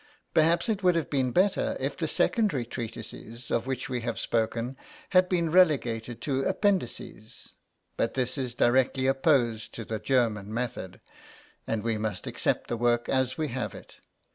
Perhaps it would have been better if the secondary treatises of which we have spoken had been relegated to Appendixes; but this is directly opposed to the German method, and we must accept the work as we have it.